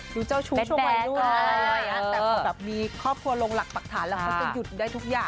เป็นไงล่ะ